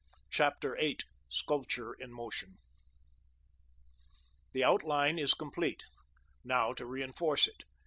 CHAPTER VIII SCULPTURE IN MOTION The outline is complete. Now to reënforce it.